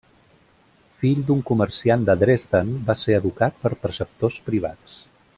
Fill d'un comerciant de Dresden, va ser educat per preceptors privats.